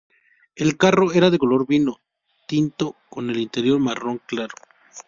El carro era de color vino tinto con el interior marrón claro.